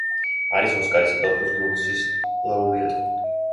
არის ოსკარისა და ოქროს გლობუსის ლაურეატი.